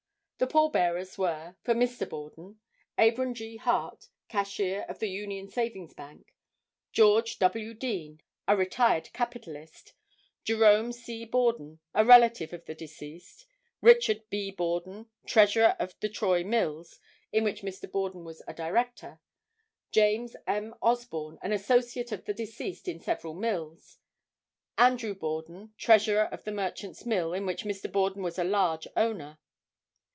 The pallbearers were: For Mr. Borden—Abram G. Hart, cashier of the Union Savings Bank; George W. Dean, a retired capitalist; Jerome C. Borden, a relative of the deceased; Richard B. Borden, treasurer of the Troy mills, in which Mr. Borden was a director; James M. Osborn an associate of the deceased in several mills; Andrew Borden, treasurer of the Merchants' mill, in which Mr. Borden was a large owner.